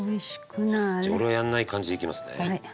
じゃあ俺はやらない感じでいきますね。